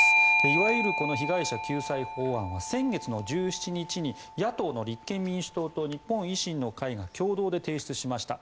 いわゆる被害者救済法案は先月１７日に野党の立憲民主党と日本維新の会が共同で提出しました。